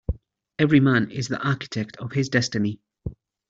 Every man is the architect of his destiny.